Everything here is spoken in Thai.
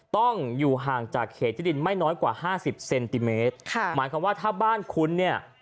ต้องอยู่ห่างจากเขตที่ดินไม่น้อยกว่าห้าสิบเซนติเมตรค่ะหมายความว่าถ้าบ้านคุณเนี่ย